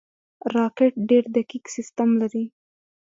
راکټ ډېر دقیق سیستم لري